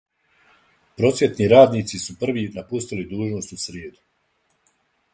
Просвјетни радници су први напустили дужност у сриједу.